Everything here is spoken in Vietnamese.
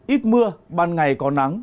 ít mưa ban ngày có nắng